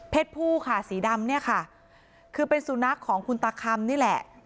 ผู้ค่ะสีดำเนี่ยค่ะคือเป็นสุนัขของคุณตาคำนี่แหละ